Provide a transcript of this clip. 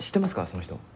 その人。